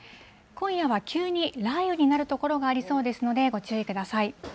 今夜は急に雷雨になる所がありそうですので、ご注意ください。